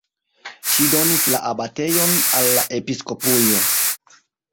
Ŝi donis la abatejon al la episkopujo.